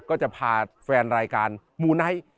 ก็จะพาแฟนรายการมูไนท์